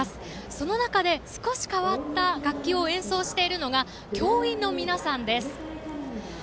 その中で、少し変わった楽器を演奏しているのが教員の皆さんです。